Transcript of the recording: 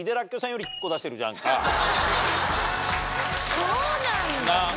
そうなんだね。